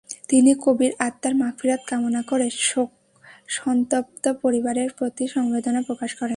তিনি কবির আত্মার মাগফিরাত কামনা করে শোকসন্তপ্ত পরিবারের প্রতি সমবেদনা প্রকাশ করে।